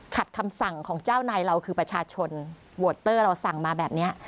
คำสั่งของเจ้านายเราคือประชาชนโวตเตอร์เราสั่งมาแบบนี้